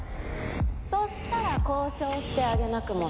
そしたら交渉してあげなくもない。